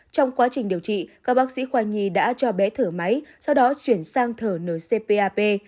trong quá trình điều trị các bác sĩ khoa nhi đã cho bé thở máy sau đó chuyển sang thở ncpap